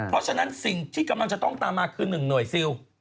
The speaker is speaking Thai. เพราะฉะนั้นสิ่งที่กำลังจะต้องตามมาคือ๑หน่วยซิล